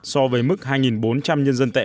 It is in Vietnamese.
so với mức hai bốn trăm linh nhân dân tệ